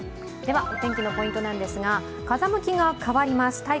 お天気のポイントですが、風向きが変わります。